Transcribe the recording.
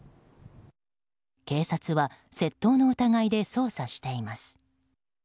警察は窃盗の疑いで捜査しています。